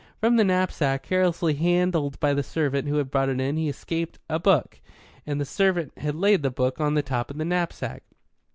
From the knapsack, carelessly handled by the servant who had brought it in, had escaped a book, and the servant had laid the book on the top of the knapsack.